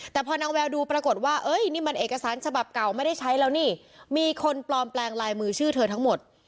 แต่พอนางแววดูปรากฏว่านี่มันเอกสารฉบับเก่าไม่ได้ใช้แล้วนี่มีคนปลอมแปลงลายมือชื่อเธอทั้งหมด